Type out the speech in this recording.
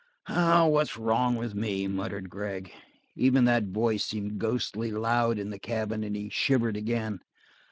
"What's wrong with me," muttered Gregg. Even that voice seemed ghostly loud in the cabin, and he shivered again.